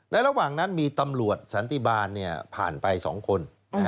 และระหว่างนั้นมีตำรวจสันติบาลผ่านไป๒คน